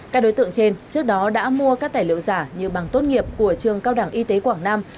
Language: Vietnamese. các đối tượng trên trước đó đã mua các tài liệu giả như bằng tốt nghiệp của trường cao đẳng y tế quảng nam